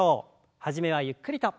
初めはゆっくりと。